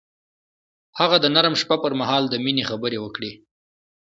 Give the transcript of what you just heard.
هغه د نرم شپه پر مهال د مینې خبرې وکړې.